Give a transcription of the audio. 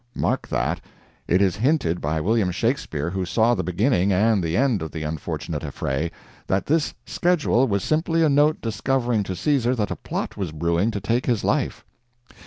[Mark that: It is hinted by William Shakespeare, who saw the beginning and the end of the unfortunate affray, that this "schedule" was simply a note discovering to Caesar that a plot was brewing to take his life.